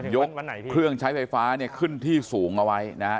ยกเครื่องใช้ไฟฟ้าขึ้นที่สูงเอาไว้นะครับ